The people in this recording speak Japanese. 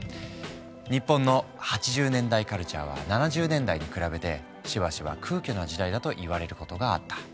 日本の８０年代カルチャーは７０年代に比べてしばしば空虚な時代だと言われることがあった。